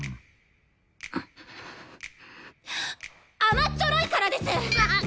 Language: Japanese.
甘っちょろいからです！